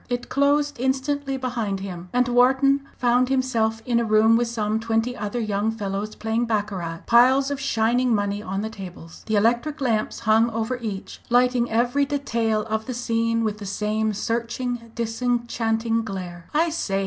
It closed instantly behind him, and Wharton found himself in a room with some twenty other young fellows playing baccarat, piles of shining money on the tables, the electric lamps hung over each, lighting every detail of the scene with the same searching disenchanting glare. "I say!"